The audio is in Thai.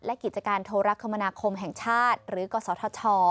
และกิจการโทรคมนาคมแห่งชาติหรือกศธช